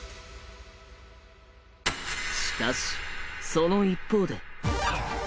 しかしその一方で。